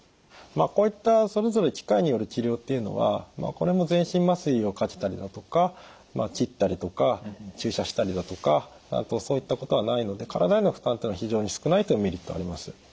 こういったそれぞれ機械による治療っていうのはこれも全身麻酔をかけたりだとか切ったりとか注射したりだとかそういったことはないので体への負担というのは非常に少ないというメリットはあります。